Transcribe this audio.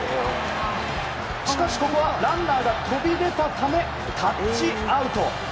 しかし、ここはランナーが飛び出たためタッチアウト！